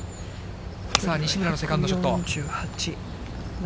さあ西村のセカンドショット。